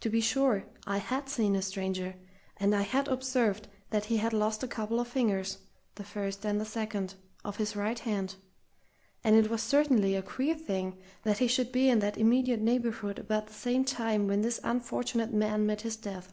To be sure, I had seen a stranger, and I had observed that he had lost a couple of fingers, the first and second, of his right hand; and it was certainly a queer thing that he should be in that immediate neighbourhood about the time when this unfortunate man met his death.